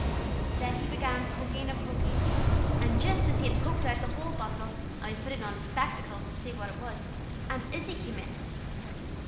And then he began poking, and poking, and just as he had poked out the whole bundle, and was putting on his spectacles to see what it was, Aunt Izzie came in."